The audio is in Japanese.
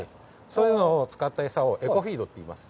そういうのを使った餌をエコフィールドといいます。